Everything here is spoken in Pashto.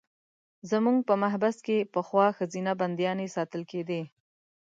زموږ په محبس کې پخوا ښځینه بندیانې ساتل کېدې.